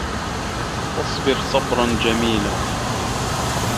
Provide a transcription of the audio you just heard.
فَاصبِر صَبرًا جَميلًا